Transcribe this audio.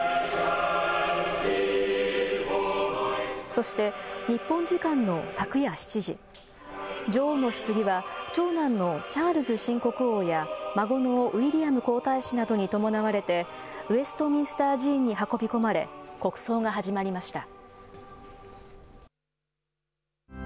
そして、日本時間の昨夜７時、女王のひつぎは長男のチャールズ新国王や、孫のウィリアム皇太子などに伴われて、ウェストミンスター寺院に運び込まれ、国葬が始まりました。